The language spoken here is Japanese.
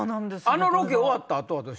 あのロケ終わった後は？